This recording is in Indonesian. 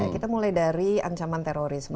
kita mulai dari ancaman terorisme